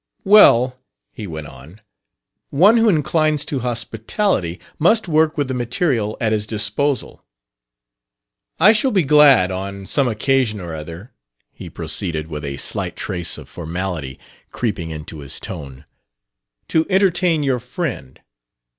"Well," he went on, "one who inclines to hospitality must work with the material at his disposal. I shall be glad, on some occasion or other," he proceeded, with a slight trace of formality creeping into his tone, "to entertain your friend."